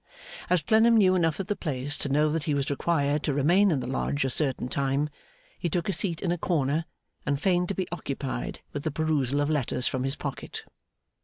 As Clennam knew enough of the place to know that he was required to remain in the Lodge a certain time, he took a seat in a corner, and feigned to be occupied with the perusal of letters from his pocket.